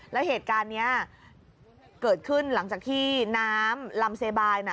แล้วเหตุการณ์นี้เกิดขึ้นหลังจากที่น้ำลำเซบายนะ